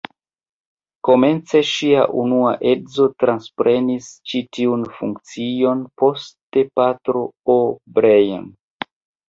Komence ŝia unua edzo transprenis ĉi tiun funkcion, poste Patro O’Brien.